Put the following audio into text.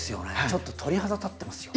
ちょっと鳥肌立ってますよ。